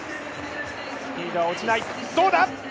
スピードは落ちない、どうだ？